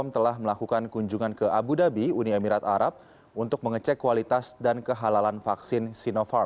telah melakukan kunjungan ke abu dhabi uni emirat arab untuk mengecek kualitas dan kehalalan vaksin sinovac